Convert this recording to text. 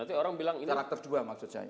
karakter dua maksud saya